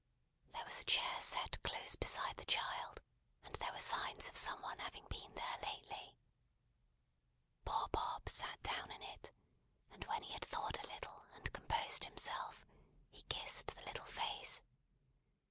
There was a chair set close beside the child, and there were signs of some one having been there, lately. Poor Bob sat down in it, and when he had thought a little and composed himself, he kissed the little face.